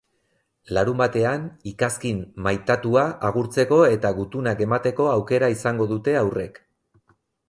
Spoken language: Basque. Larunbatean, ikazkin maitatua agurtzeko eta gutunak emateko aukera izango dute haurrek.